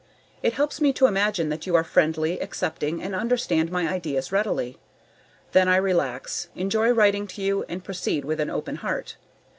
It helps me to imagine that you are friendly, accepting, and understand my ideas readily. Then I relax, enjoy writing to you and proceed with an open heart.